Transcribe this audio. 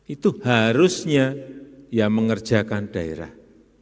itu harusnya yang mengerjakan daerah